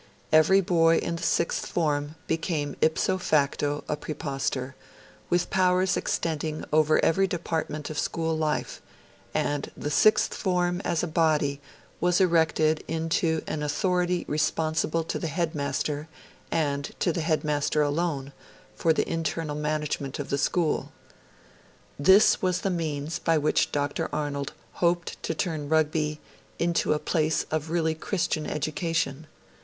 Every boy in the Sixth Form became ipso facto a Praepostor, with powers extending over every department of school life; and the Sixth Form as a body was erected into an authority responsible to the headmaster, and to the headmaster alone, for the internal management of the school. This was the means by which Dr. Arnold hoped to turn Rugby into 'a place of really Christian education'.